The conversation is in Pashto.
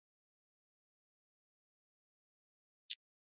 مصنوعي ځیرکتیا د سیالۍ بڼه بدلوي.